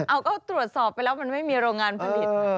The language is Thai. เอาก็ตรวจสอบไปแล้วมันไม่มีโรงงานผลิต